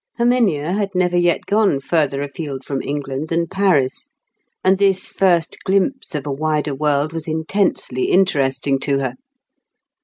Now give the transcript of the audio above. Herminia had never yet gone further afield from England than Paris; and this first glimpse of a wider world was intensely interesting to her.